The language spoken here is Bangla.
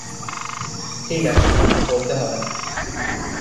ঠিক আছে, বলতে হবে না।